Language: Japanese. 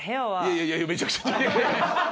いやいやいやめちゃくちゃ。